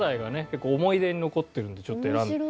結構思い出に残ってるんでちょっと選んで。